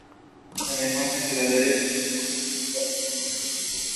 Lebel also spent considerable time as the Editor of Muelleria.